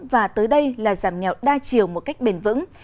và tới đây là giảm nghèo đa chiều một cách bền vững